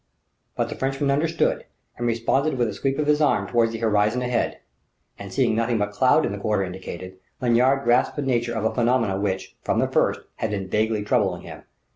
But the Frenchman understood, and responded with a sweep of his arm toward the horizon ahead. And seeing nothing but cloud in the quarter indicated, Lanyard grasped the nature of a phenomenon which, from the first, had been vaguely troubling him.